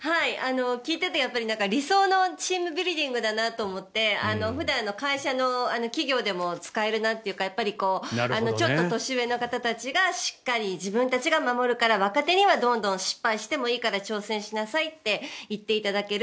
聞いていて理想のチームビルディングだなと思って普段の会社の企業でも使えるなというかちょっと年上の方たちが自分たちが守るから若手にはどんどん失敗してもいいから挑戦してもいいって言っていただける。